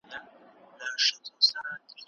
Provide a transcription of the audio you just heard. که چېرې تاسو مسموم شئ، نو ژر کانګې وکړئ.